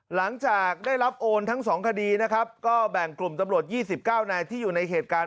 หลังจากได้รับโอนทั้ง๒คดีนะครับก็แบ่งกลุ่มตำรวจ๒๙นายที่อยู่ในเหตุการณ์